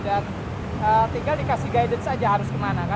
dan tinggal dikasih guidance aja harus kemana